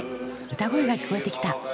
歌声が聞こえてきた。